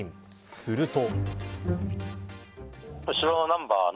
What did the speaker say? すると。